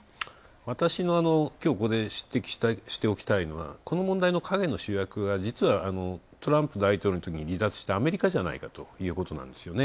私のきょう、ここで指摘しておきたいのはこの問題の陰の主役が、実はトランプ大統領のときに離脱したアメリカじゃないかということなんですよね。